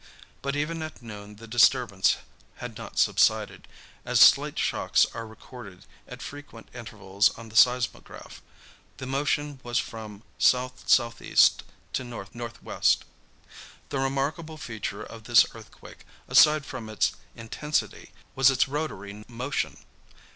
But even at noon the disturbance had not subsided, as slight shocks are recorded at frequent intervals on the seismograph. The motion was from south southeast to north northwest. "The remarkable feature of this earthquake, aside from its intensity, was its rotary motion.